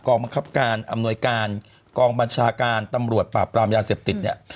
บังคับการอำนวยการกองบัญชาการตำรวจปราบปรามยาเสพติดเนี่ย